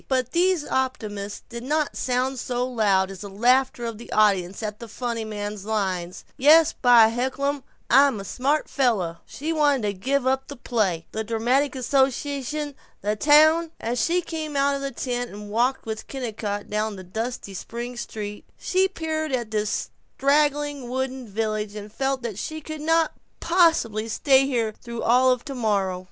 But these optimisms did not sound so loud as the laughter of the audience at the funny man's line, "Yes, by heckelum, I'm a smart fella." She wanted to give up the play, the dramatic association, the town. As she came out of the tent and walked with Kennicott down the dusty spring street, she peered at this straggling wooden village and felt that she could not possibly stay here through all of tomorrow.